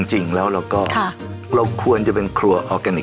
หัวก็สุขภาพดี